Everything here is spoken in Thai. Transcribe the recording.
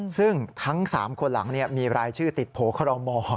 ซึ่งทั้ง๓คนหลังมีรายชื่อติดโผล่คอรมอ